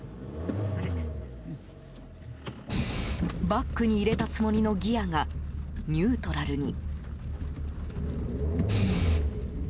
バックに入れたつもりのギアがニュートラルに。